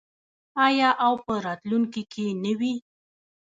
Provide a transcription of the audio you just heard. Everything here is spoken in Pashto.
آیا او په راتلونکي کې نه وي؟